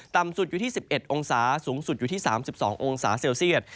ต่ำสุดอยู่ที่๑๑องศาสูงสุดอยู่ที่๓๒องศาเซลเซียต